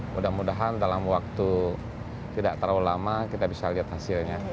mudah mudahan dalam waktu tidak terlalu lama kita bisa lihat hasilnya